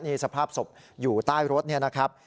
นี่สภาพศพอยู่ใต้รถนี่นะครับ